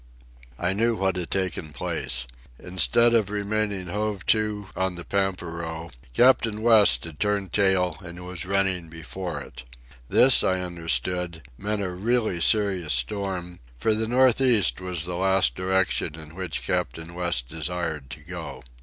I knew what had taken place. Instead of remaining hove to on the pampero, Captain West had turned tail and was running before it. This, I understood, meant a really serious storm, for the north east was the last direction in which Captain West desired to go.